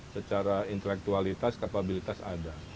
secara intelektualitas kapabilitas ada